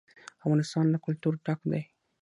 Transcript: افغانستان له کلتور ډک دی.